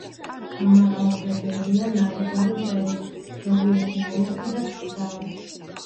მთამაღალზე ბევრია ნაირგვარი მწერი, ზოგიერთი მოლუსკი და სხვა.